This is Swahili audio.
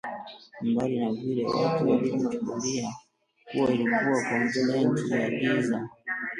mbali na vile watu walivyochukulia kuwa ilikuwa kontinenti ya giza